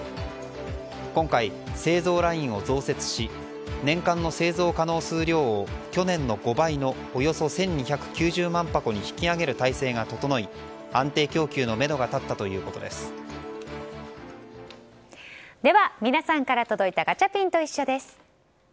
今回、製造ラインを増設し年間の製造可能数量を去年の５倍のおよそ１２９０万箱に引き上げる体制が整い安定供給のめどがでは皆さんから届いたガチャピンといっしょ！です。